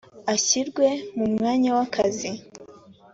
ashyirwe mu mwanya w akazi